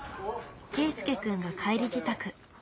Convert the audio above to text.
けいすけくんが帰り支度。